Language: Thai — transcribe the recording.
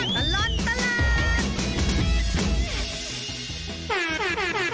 ช่วยช่วย